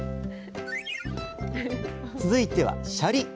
続いてはシャリ。